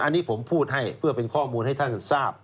อันนี้ผมพูดให้เพื่อเป็นข้อมูลให้ท่านทราบ